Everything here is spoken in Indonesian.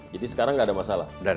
jadi sekarang tidak ada masalah